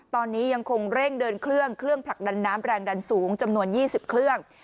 ตอนนี้ยังคงเร่งเดินเครื่องเครื่องผลักดันน้ำแรงดันสูงจำนวน๒๐เครื่อง